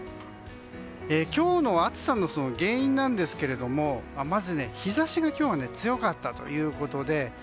今日の暑さの原因なんですけれどもまず、日差しが今日は強かったということで。